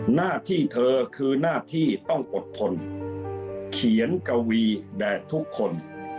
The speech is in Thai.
หน้าที่เธอคือหน้าที่ต้องอดทนเขียนกวีแดดทุกคน